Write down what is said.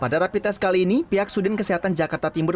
pada rapi tes kali ini pihak sudin kesehatan jakarta timur